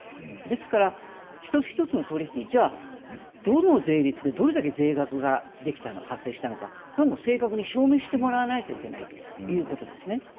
ですから、一つ一つの取り引き、じゃあ、どの税率でどれだけ税額が発生したのか、これも正確に証明してもらわないといけないということですね。